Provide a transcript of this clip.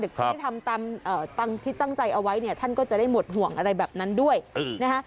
แต่คนที่ทำตามที่ตั้งใจเอาไว้เนี่ยท่านก็จะได้หมดห่วงอะไรแบบนั้นด้วยนะฮะ